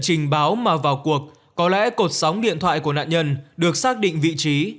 trình báo mà vào cuộc có lẽ cột sóng điện thoại của nạn nhân được xác định vị trí